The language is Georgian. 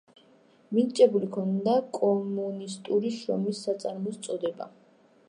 მინიჭებული ჰქონდა კომუნისტური შრომის საწარმოს წოდება.